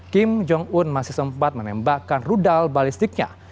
kim jong un masih sempat menembakkan rudal balistiknya